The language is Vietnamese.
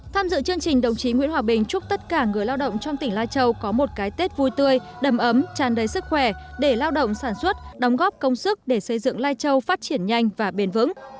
tham dự chương trình đồng chí nguyễn hòa bình chúc tất cả người lao động trong tỉnh lai châu có một cái tết vui tươi đầm ấm tràn đầy sức khỏe để lao động sản xuất đóng góp công sức để xây dựng lai châu phát triển nhanh và bền vững